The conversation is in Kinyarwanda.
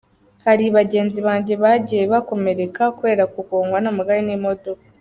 Hari bagenzi banjye bagiye bakomereka kubera kugongwa n’amagare n’imodoka.